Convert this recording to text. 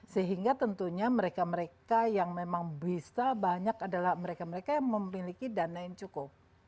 sehingga tentunya mereka mereka yang memang bisa banyak adalah mereka mereka yang memiliki dana yang cukup